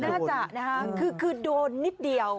น่าจะนะคะคือโดนนิดเดียว